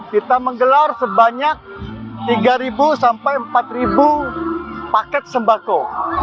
kita menggelar sebanyak tiga sampai empat paket sembako